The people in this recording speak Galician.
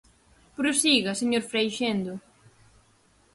Prosiga, señor Freixendo.